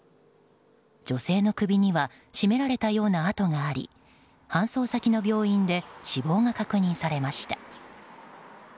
女性の首には絞められたような痕があり搬送先の病院で死亡が確認されました。